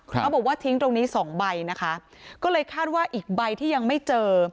เขาบอกว่าทิ้งตรงนี้สองใบนะคะก็เลยคาดว่าอีกใบที่ยังไม่เจอ